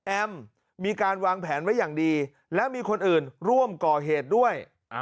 มีการวางแผนไว้อย่างดีและมีคนอื่นร่วมก่อเหตุด้วย